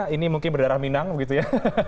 ini mungkin berdarah minang begitu ya